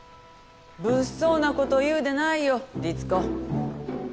物騒なこと言うでないよ律子。